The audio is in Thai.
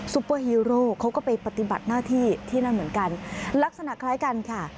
เปอร์ฮีโร่เขาก็ไปปฏิบัติหน้าที่ที่นั่นเหมือนกันลักษณะคล้ายกันค่ะ